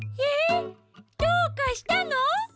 えっどうかしたの？